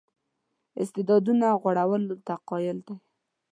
استعدادونو غوړولو ته قایل دی.